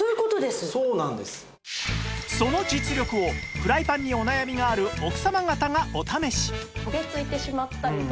その実力をフライパンにお悩みがある奥様方がお試し